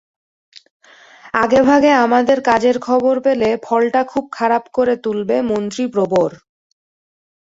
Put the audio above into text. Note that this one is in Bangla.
আগেভাগে আমাদের কাজের খবর পেলে ফলটা খুব খারাপ করে তুলবে মন্ত্রীপ্রবর।